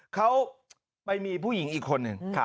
เขาไปมีผู้หญิงอีกคนหนึ่ง